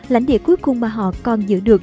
lãnh địa cuối cùng mà họ còn giữ được